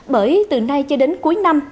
bởi từ nay cho đến cuối năm